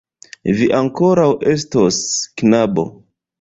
Vi ankoraŭ estos, knabo!